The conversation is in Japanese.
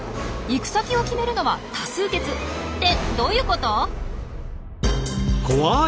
行く先を決めるのは多数決！ってどういうこと！？